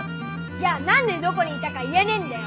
じゃあなんでどこにいたか言えねえんだよ。